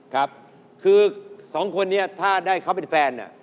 คือสองคนนี้ถ้าให้เขาเป็นแฟน